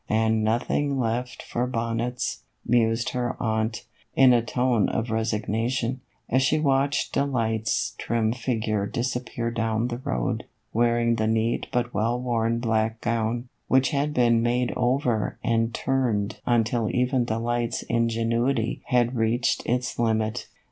" And nothing left for bonnets," mused her aunt, in a tone of resignation, as she watched Delight's trim figure disappear down the road, wearing the neat but well worn black gown, which had been made over and turned until even Delight's ingenuity had reached its limit.